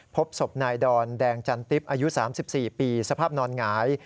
พบศพนายดอนแดงจันติ๊บอายุ๓๔ปีสภาพนอนหงาย